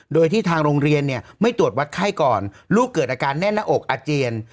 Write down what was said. โดยที่ทางโรงเรียนเนี่ยไม่ตรวจวัดไข้ก่อนลูกเกิดอาการแน่นหน้าอกอาเจียน